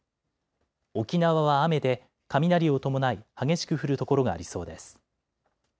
沖縄は雨で雷を伴い激しく降る所がありそうです。